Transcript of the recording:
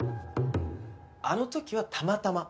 あの時はたまたま。